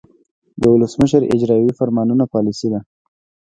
د ولسمشر اجراییوي فرمانونه پالیسي ده.